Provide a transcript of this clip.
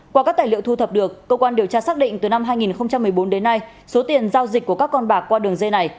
qua các tài liệu thu thập được cơ quan điều tra xác định từ năm hai nghìn một mươi bốn đến nay số tiền giao dịch của các con bạc qua đường dây này